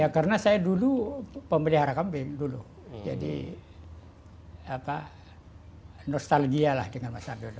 ya karena saya dulu pemelihara kambing dulu jadi apa nostalgia lah dengan masalah dulu